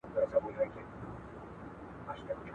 موږ پخپله دی ښکاري ته پر ورکړی ..